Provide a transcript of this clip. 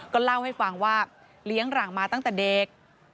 ก็เล่าให้ฟังว่าเลี้ยงหลังมาตั้งแต่เด็ก